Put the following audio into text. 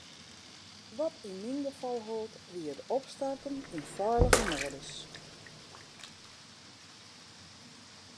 Wat yn myn gefal holp, wie it opstarten yn feilige modus.